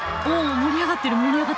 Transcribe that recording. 盛り上がってる！